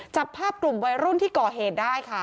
จับภาพกลุ่มวัยรุ่นที่ก่อเหตุได้ค่ะ